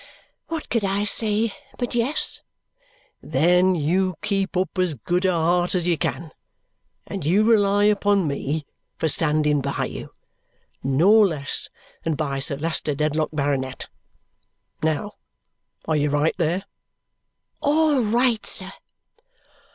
What could I say but yes! "Then you keep up as good a heart as you can, and you rely upon me for standing by you, no less than by Sir Leicester Dedlock, Baronet. Now, are you right there?" "All right, sir!"